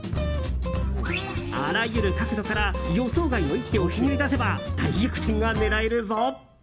あらゆる角度から予想外の一手をひねり出せば大逆転が狙えるぞ。